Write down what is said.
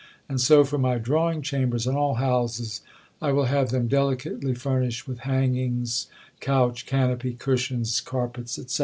and so for my drawing chambers in all houses, I will have them delicately furnished with hangings, couch, canopy, cushions, carpets, etc.